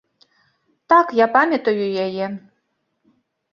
Так, я памятаю яе.